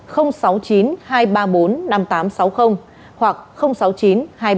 không sóng không đánh